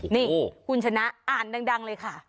นี่คุณชนะอ่านดังเลยค่ะ